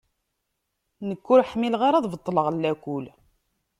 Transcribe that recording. Nekk ur ḥmileɣ ara ad beṭṭleɣ lakul.